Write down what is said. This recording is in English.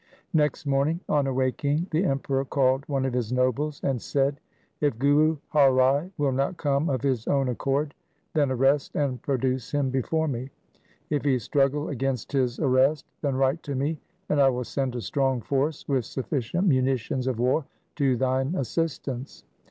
Next morning, on awaking, the Emperor called one of his nobles and said, ' If Guru Har Rai will not come of his own accord, then arrest and produce him before me. If he struggle against his arrest, then write to me, and I will send a strong force with sufficient munitions of war to thine assistance.'